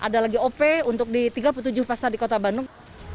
sampai untuk di tiga puluh tujuh pasar di kota bandung